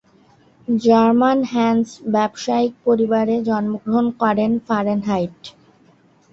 German Hans ব্যবসায়িক পরিবারে জন্মগ্রহণ করেন ফারেনহাইট।